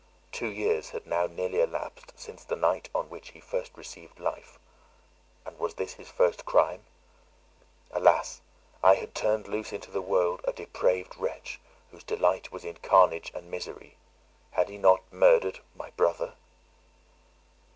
Two years had now nearly elapsed since the night on which he first received life; and was this his first crime? Alas! I had turned loose into the world a depraved wretch, whose delight was in carnage and misery; had he not murdered my brother?